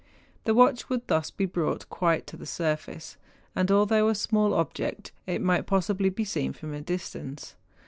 The watch would thus be brought quite to the surface, and although a small object, it might possibly be seen from a distance.